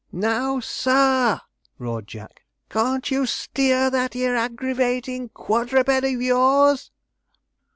'NOW, SUR!' roared Jack, 'can't you steer that 'ere aggravatin' quadruped of yours?'